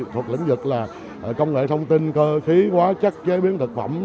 thuộc lĩnh vực là công nghệ thông tin cơ khí hóa chất chế biến thực phẩm